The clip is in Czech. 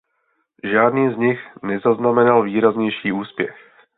Žádný z nich nezaznamenal výraznější úspěch.